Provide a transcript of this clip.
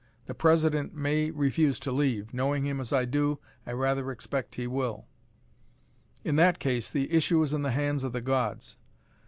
The President may refuse to leave. Knowing him as I do, I rather expect he will." "In that case, the issue is in the hands of the gods.